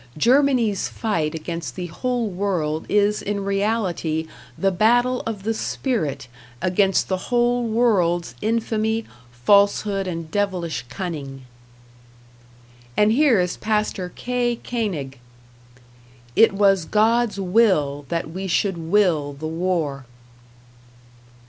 Germany's fight against the whole world is in reality the battle of the spirit against the whole world's infamy, falsehood and devilish cunning. And here is Pastor K. Koenig: It was God's will that we should will the war.